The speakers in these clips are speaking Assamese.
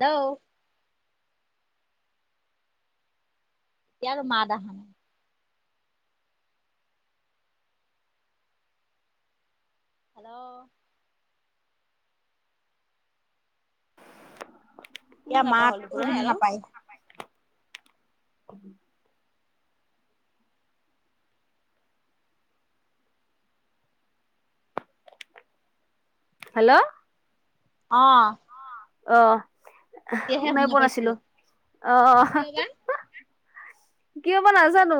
হেল্ল'। [unintelligible] হেল্ল'। শুনা ইয়াৰ নাপাওঁ হ'ল মাতটো দেখোন শুনা আৰু। নাপায়। [unintelligible] হেল্ল'। অহ। অ শুনাই শুনা পোৱা পাইছো নাছিলো, অ কিয় বা কিয় বা নাজানো।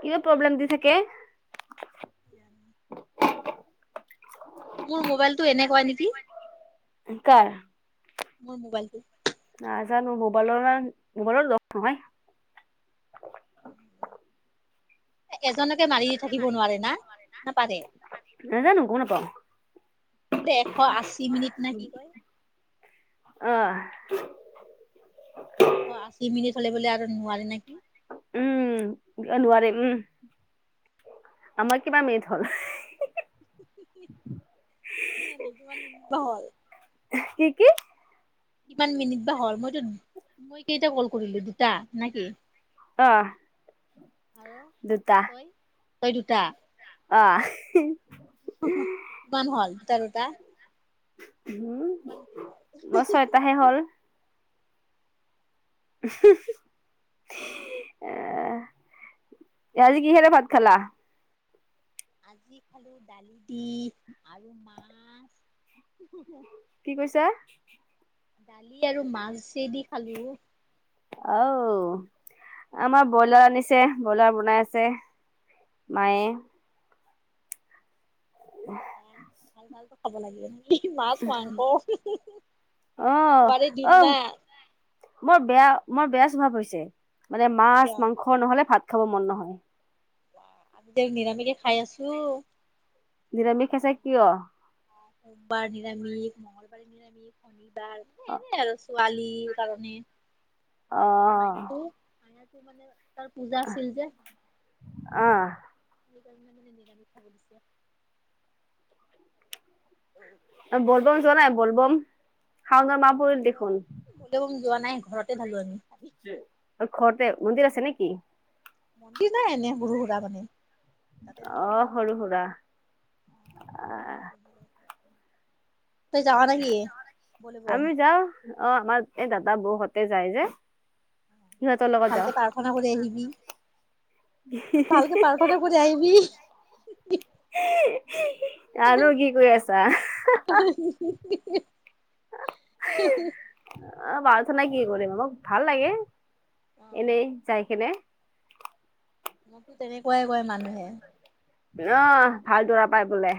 কি প্ৰব্লেম দি থাকে। [inaudible] মোৰ মোবাইলটো এনেকুৱা নিকি। কাৰ? মোৰ মোবাইলটো। নাজানো, মোবাইলৰ মোবাইলৰ লগ নহয়। এজনকে মাৰি থাকিব নোৱাৰে না, না পাৰে? নাজানো গম নাপাওঁ বোলে এশ আশী মিনিট না কি কয়? অ। অ', আশী মিনিট হলে বোলে আৰু নোৱাৰি নেকি? উম' নোৱাৰি উম'। আমাৰ কিবা মিনিট হ'ল? কি জানো কিমান মিনিট বা হল। কি কি? কিমান মিনিট বা হল, মইতো মই কেইটা কল কৰিলো, দুটা না কি? আ। হেল্ল? দুটা। তই দুটা। অ' কিমান হল টেনটা? উম' হ'ল মোৰ ছয়তাহে হ'ল। [unintelligible] এ আজি কিহেৰে ভাত খালা? আজি খালো দালি দি আৰু মাছ। কি কৈছা? দালি আৰু মাছ দি খালোঁ। আও, আমাৰ ব্ৰইলাৰ আনিছে। ব্ৰইলাৰ বনাইছে মায়ে। ভাল, ভালকৈ খাব লাগে। মাছ, মাংস অহ মাৰি দিম না। অ মোৰ বেয়া, মোৰ বেয়া স্বভাৱ হৈছে। মানে কিয় মাছ মাংস নহলে ভাত খাব মন নহয়। নিৰামিষে খাই আছো। নিৰামিষ আছে কিয়? বাৰ নিৰামিষ, মঙংগলবাৰে নিৰামিষ, শনিবাৰ এনে আৰু। পোৱালীৰ কাৰণে। অ। মাইনাটো, মাইনাটো মানে তাৰ পূজা আছিল যে। আহ সেইকাৰণে মানে নিৰামিষ খাব দিছে। বলবম যোৱা নাই, বলবম, শাওনৰ মা বলবম যোৱা নাই, ঘৰতে ঢালো আমি। ঘৰতে, মন্দিৰ আছে নিকি? মন্দিৰ নাই, এনে সুৰু সুৰা মানে। তাতে অ সৰু হুৰা ঢালো [inaudible] তই যাৱা নেকি বলে বম আমি যাও। অ আমাৰ এই দাদা বৌহতে যায় যে। সিহঁতৰ লগত ভালকে যাওঁ প্ৰাৰ্থনা কৰি আহিবি? ভালকে প্ৰাৰ্থনা কৰি আহিবি? আৰু কি কৰি আছা? [unintelligible] পাৰ্থনা কি কৰিম মোক ভাল লাগে, এনেই যাই কেনে। মোকতো তেনেকুৱাই কয় মানুহে। আহ ভাল দৰা পাই বোলে।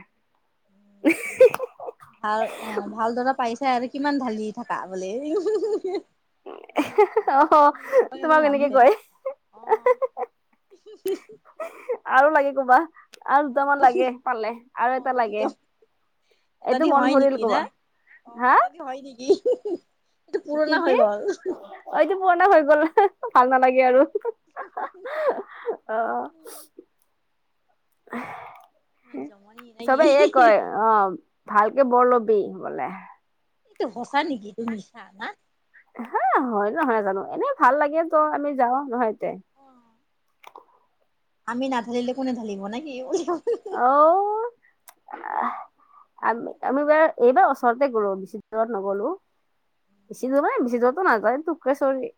ভাল অ ভাল দৰা পাইছাই আৰু কিমান ঢালি থাকা বুলি। অ আৰু তোমাক এনেকৈ মানুহে কয়। অ [unintelligible] আৰু লাগে ক'বা আৰু দুটামান লাগে পালে অ আৰু এটা দুটা লাগে। এটা এইটো দি মন হয় ভৰিল নেকি না কবা অ হা এটা দি হয় নেকি। এইটো কি পুৰণা হৈ কি গ'ল ঐটো পুৰণা হৈ গ'ল। ভাল নালাগে আৰু। ইমান জমনি নেকি চবে এ কয়। অ ভালকে বৰ লবি বোলে। এইটো সঁচা নেকি, এটো মিছা না? হয় নহয় ন জানো এনে ভাল লাগে ত আমি যাও নহয় এতে আমি নাঢালিলে কোনে ঢালিব নে কি। আহ আমি আমি, এইবাৰ ওচৰতে গ'লো বেছি দূৰত নগলো। বেছি বেছি দূৰত নাযায় এই তোকেশৰী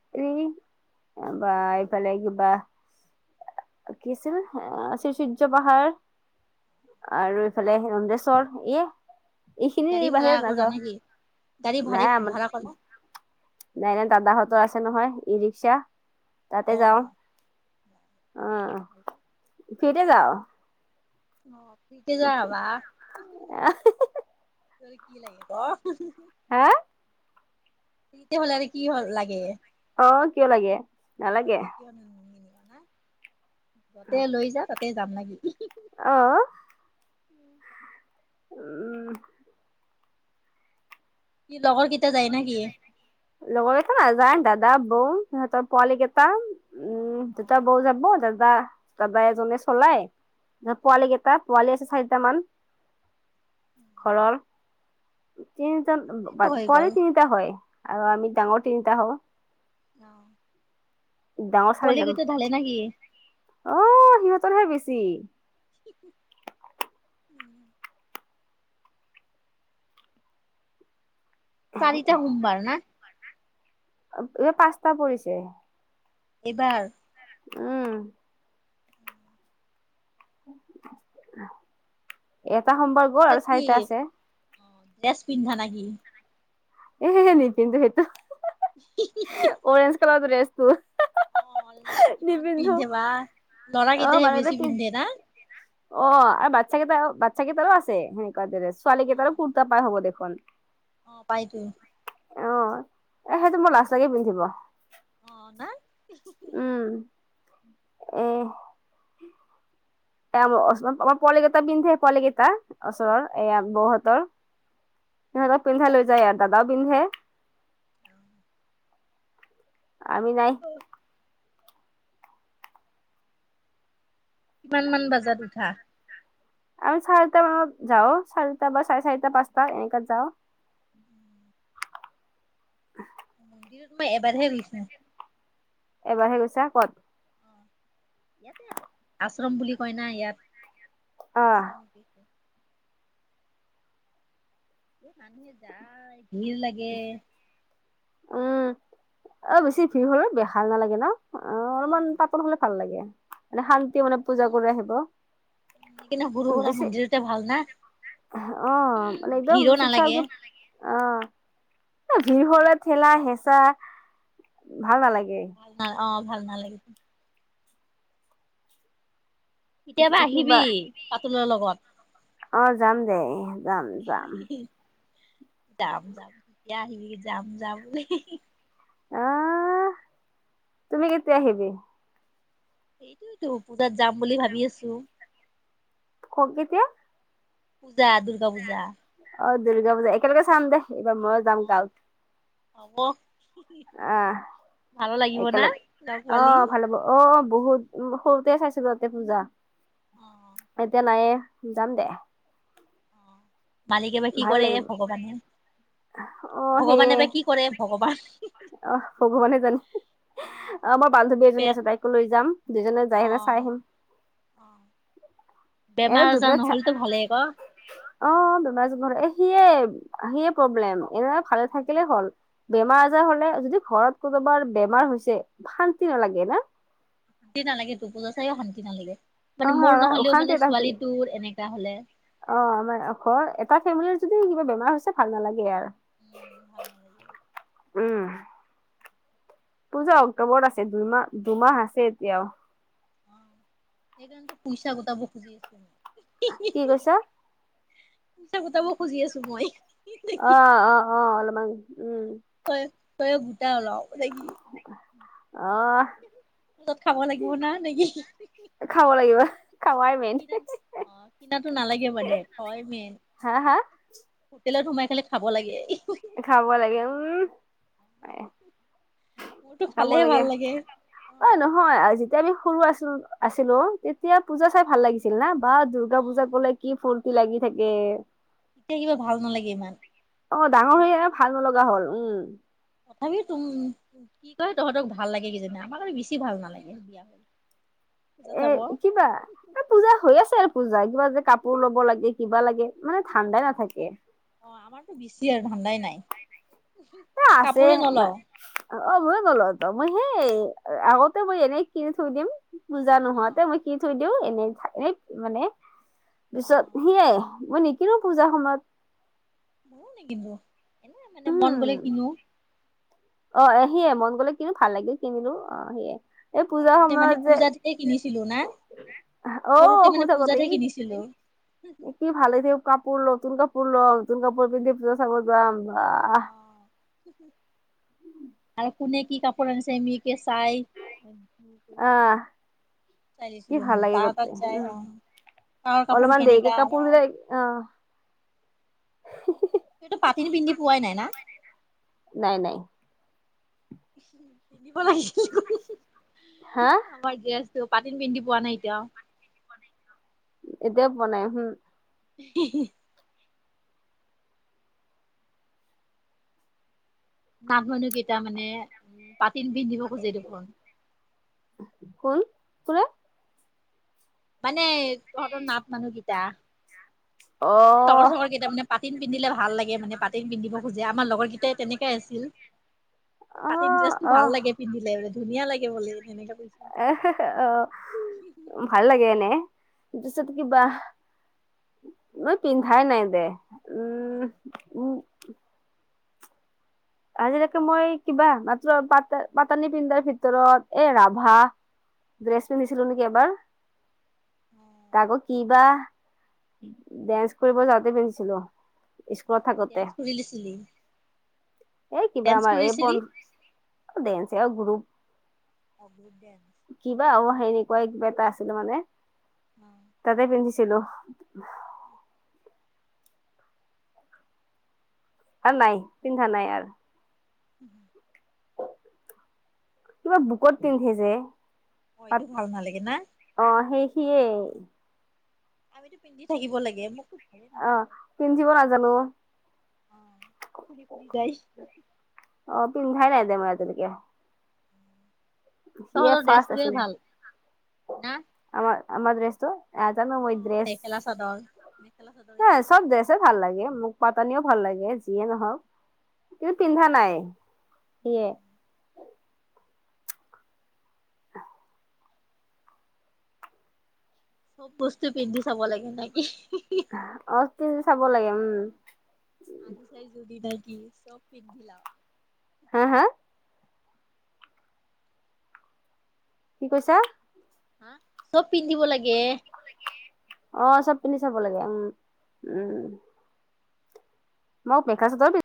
এইবা এইফালে কিবা কি আছিল? শ্ৰীচূৰ্য পাহাৰ আৰু এইফালে ৰমেশ্বৰ ইয়ে এইখিনি গাড়ী ভাড়া বাহিৰত কৰা নেকি গাড়ী নাযাওঁ ভাড় নাই আমাৰ ভাড়া কৰা নাই নাই দাদাহঁতৰ আছে নহয় ই ৰিক্সা তাতে অ যাও। অ ফ্ৰিতে যাও। ফ্ৰীতে যাও বা। কি লাগে? হা? ফ্ৰিতে হ'লে আৰু কি হ লাগে। অ কিয় লাগে, নালাগে। [unintelligible] যতে লৈ যা তাতে যাম নেকি। অ। উম। কি লগৰ কেইটা যায় না কি? লগৰকে নাযায় দাদা বৌ সিহঁতৰ পোৱালি কেইটা উম অ দেতা বৌ যাব দাদা দাদা এজনে চলাই ধ অ পোৱালি কেইটা পোৱালি আছে চাৰিটা মান। ঘৰৰ তিনিজন সেইটো বাত হৈ গ'ল পোৱালি তিনটা হয় আৰু আমি ডাঙৰ তিনটা হও। অ। ডাঙৰ পোৱালি চাৰিজন কেইটা ঢালে নেকি অ সিহঁতৰহে বেছি। [unintelligible] উম। চাৰিটা সোমবাৰ না? অৱ' এই পাঁচটা পৰিছে। এইবাৰ। উম। এটা সোমবাৰ গ'ল পিছত আৰু কি চাৰিটা আছে। অ ড্ৰেছ পিন্ধা নেকি? এহেহে নিপিন্ধোঁ সেইটো হা' হা'। [unintelligible] অৰেঞ্চ কালাৰ তোৰ ড্ৰেছটোৰ। অ' কিমান পিন্ধে বা ল'ৰা অ কেইটাহে মানুহটো বেছি কি পিন্ধে না? অ' আৰু বাচ্ছা কেইটা হওক বাচ্ছা কেইটাৰো আছে হুহ। [unintelligible] ছোৱালী অ কে তাৰ কুৰ্তা পাৰ হব দেখোন। অ' পাইতো। অ'হ সেইটো মোৰ লাজ লাগে পিন্ধিব। অ না। উম এ। এইয়া মোৰ ওচৰত, মই পোৱলিকেইটাই দিম দেই পোৱালিকেইটাক ওচৰৰ এইয়া বৌহতৰ সিহঁতক পিন্ধাই লৈ যায় ইয়াত, দাদাও পিন্ধে। অ'। আমি নাই। কিমান মান বাজাত উঠা? আমি চাৰিটামানত যাওঁ চাৰেটা বা চাৰেচাৰিটা, পাঁচটা এনেকাত যাওঁ। [unintelligible] দিনত মই এবাৰহে গৈছো। এবাৰহে গৈছা ক'ত? অ' ইয়াতেই আশ্ৰম বুলি কয় না ইয়াত, আহ আশ্ৰমৰ [unintelligible] এই মানুহে যাই, ভিৰ লাগে। উম অ' বেছি ভিৰ হ'লে বেহাৰ নালাগে ন, আ' অলপমান পাতল হ'লে ভাল লাগে। মানে শান্তিমনে পূজা কৰি আহিব। সেই কিনে সৰু সুৰা বেছি মন্দিৰতে ভাল না। অ' মানে একদম চুব [unintelligible] নালাগে। অ' ভিৰ হলে ঠেলা হেঁচা ভাল নালাগে। [unintelligible] অ' ভাল নালাগে। কেতিয়াবা আহিবি কিবা পাতুলৰ লগত। অ' যাম দে, যাম যাম। যাম, যাম যেতিয়া আহিবি যাম, যাম হি হি হি। আহ' তুমি কেতিয়া আহিবি? সেইটোইতো পূজাত যাম বুলি ভাবি আছোঁ। ক'ত কেতিয়া? পূজা, দুৰ্গা পূজা। অ' দুৰ্গা পূজা, একেলগে চাম দে এইবাৰ ময়ো যাম অ গাঁৱত। হ'ব। আহ' ভালো লাগিব না একেলগে [unintelligible] লগ অ পালি ভাল হ'ব। অ বহুত সৰুতেই চাইছিলো ইয়াতেই পূজা, অ। এতিয়া নাইয়েই যাম দে অ', মালিকে বা কি কৰে ভগৱানহে অহ সেইয়ে ভগৱানে বা কি ভগৱান কৰে অহ ভগৱানে জানে অ মই বান্ধৱী বে এজনী আছে তাইকো লৈ যাম দুজনে যাই অ হলেও চাই আহিম অ', এ বেমাৰ আজাৰ দুধনৈ চা নহলেতো ভালেই ক অ বেমাৰ চেমাৰ এ সিয়ে সিয়ে প্ৰব্লেম এ ভালে থাকিলে হ'ল বেমাৰ আজাৰ হ'লে যদি ঘৰত কোনোবাৰ বেমাৰ হৈছে শান্তি নালাগে না শান্তি নালাগে তোৰ পূজা চাইও শান্তি নালাগে মানে অহ মোৰ নহ'লেও অশান্তি মানে এটা হৈছে ছোৱালীটোৰ এনেকা হ'লে অ আমাৰ ধৰ এটা ফেমিলিৰ যদি কিবা বেমাৰ হৈছে ভাল নালাগে আৰু উম ভাল নালাগে উম। পূজা অক্টোবৰত আছে দুইমাহ দুমাহ আছে এতিয়াও সেইকাৰণেটো পইচা গোটাব খুজি আছো মই। আ কি কৈছা? পইছা গোটাব খুজি আছো মই অ অ অ অলমান উম তই তইয়ে গোটা অলপ নেকি অহ পূজাত খাব লাগিব না নেকি? খাব লাগিব খাৱাই মেইন। কিনাত অ কিনাতো নালাগে মানে খোৱাই মেইন হা হা হোটেলত সোমাই পেলাই খাব লাগে ই হু। খাব লাগে উম মোৰতো খাব খালেহে লাগে ভাল অ নহয় যেতিয়া আমি সৰু আছো আছিলো আছিলো তেতিয়া পূজা চাই ভাল লাগিছিল। আছিল না বা দূৰ্গা পুজা অ', কলে কি ফূৰ্তি লাগি থাকে। এতিয়া কিবা ভাল নালাগে ইমান। অ ডাঙৰ হৈ একে ভাল নলগা হ'ল উম। তথাপিও তুম কি কয় তহঁতক ভাল লাগে কিজানি আমাক আৰু বেছি ভাল নালাগে দিয়া তাকে এ কিবা পূজা হৈ আছে আৰু পূজা কিবা যে কাপোৰ ল'ব লাগে কিবা লাগে মানে ধাণ্ডাই নাথাকে অ আমাৰতো বেছি আৰু ধান্দাই নাই এ আছে কাপোৰে নলও অ ময়ো নলও ত মই সেই আগতেও মই এনেই কিনি থৈ দিম। পুজা অ', নোহোৱাতে মই কিনি থৈ দিও এনেই এ মানে পিছত অ', সেয়াই মই নিকিনো পূজাৰ সময়ত ময়ো নিকিনো এনেই মানে মন উম গ'লে কিনো অ সেয়ে মন গলে কিনো ভাল লাগিল কিনিলো অ সেয়ে এই অ পূজাৰ আগতে মানে সময়ত যে পূজাতহে কিনিছিলো না? অ সৰুতে শুই মানে থাকোতে পূজাতহে ই কিনিছিলো। কি ভালে দিয়ক কাপোৰ কাপোৰ নতুন কাপোৰ লও নতুন কাপোৰ পিন্ধি পুজা চাব যাম বা অ', আৰু কোনে কি কাপোৰ আনিছে আমিকে চাই সেইটোতো আহ চাই কি দিছিলো ভাল মানে লাগে তাৰ গোটে তাত যাই উম অহ তাৰ কাপোৰ অলপমান দেৰিকে কেনেকা কাপোৰ বিলাক অ তইতো পাতিনি পিন্ধি পোৱাই নাই না নাই নাই। পিন্ধিব [unintelligible] হা? আমাৰ ড্ৰেছটো পাতিন পিন্ধি পোৱা নাই এতিয়াও। এতিয়াও পোৱা নাই উহু। [unintelligible] মানুহকেইটা মানে তা ধিন ধিন দিব খোজে দেখোন। কোন [unintelligible] মানে তহঁতৰ নাথ মানুহকিটা। অ এনে লগৰ চগৰ কেইটা মানে পাতিন পিন্ধিলে ভাল লাগে মানে পাতিন পিন্ধিব খোজে আমাৰ লগৰ কেইটাই তেনেকাই আছিল। অ পাতিন ড্ৰেছটো অ ভাল লাগে পিন্ধিলে বোলে ধুনীয়া লাগে বোলে তেনেকে কৈছে। [unintelligible] অ ভাল লাগে এনে [unintelligible] কিবা মই পিন্ধাই নাই দে। উম উ। আজিলৈকে মই কিবা মাত্ৰ পাতা পাতানী পিন্ধাৰ ভিতৰত এ ৰাভা ড্ৰেছ পিন্ধছিলো নেকি এবাৰ। অ' তাকো কিবা ডেন্স কৰিব যাওঁতে পিন্ধিছিলো। স্কুলত থাকোতে ডেন্স [unintelligible] এ কিবা ডেন্স আমাৰ এই কৰিছিলি? পন দেঞ্চয়ে গ্ৰুপ। [unintelligible] কিবা অ সেই এনেকুৱাই কিবা এটা আছিলে মানে। অঁ তাতে পিন্ধিছিলো। আৰু নাই পিন্ধা নাই আৰু। [inaudible] কিবা বুকত পিন্ধে যে। অ পাত এইটো ভাল নালাগে না? অ সেই সিয়েই। আমিতো পিন্ধি থাকিব লাগে [unintelligible] অ পিন্ধিব নাজানো। অ খুুলি খুলি যায়। অ পিন্ধাই নাই দে মই আজিলৈকে। সি‌য়ে তহঁতৰ ফাষ্ট ড্ৰেছটোৱে আছিল, ভাল না আমা আমাৰ ড্ৰেচটো। নাজানো মই ড্ৰেস, মেখেলা চাদৰ মেখেলা চাদৰ এইটোৱে এই ভাল। চব ড্ৰেস। [unintelligible] ভাল লাগে মোক পাতানিও ভাল লাগে যিয়ে নহওক। কিন্তু পিন্ধা নাই, সেয়ে। চব বস্তু পিন্ধি চাব লাগে নেকি? অ পিন্ধি চাব লাগে উম। আহিচাই যদি নাকি চব পিন্ধি লও। হা হা? কি কৈছা? হা চব পিন্ধিব লাগে। অ চব পিন্ধি চাব লাগে উম উম। মই মেখেলা চাদৰ পি